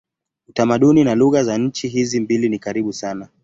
Utamaduni na lugha za nchi hizi mbili ni karibu sana.